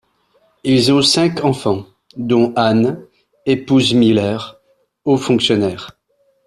Ils ont cinq enfants, dont Anne, épouse Miller, haut fonctionnaire.